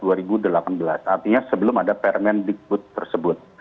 artinya sebelum ada permanent dispute tersebut